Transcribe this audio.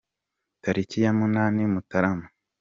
Tariki ya munani Mutarama